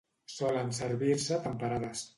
Solen servir-se temperades.